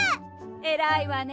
えらいわね。